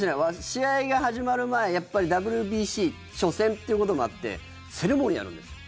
試合が始まる前、やっぱりＷＢＣ初戦っていうこともあってセレモニーをやるんですよ。